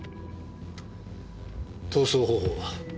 逃走方法は？